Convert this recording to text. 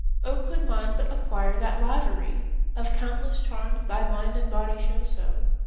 Oh, could mine but acquire that livery Of countless charms thy mind and body show so!